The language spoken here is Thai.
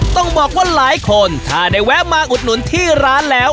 ต้องบอกว่าหลายคนถ้าได้แวะมาอุดหนุนที่ร้านแล้ว